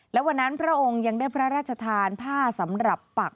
และวันนั้นพระองค์ยังได้พระราชทานผ้าสำหรับปัก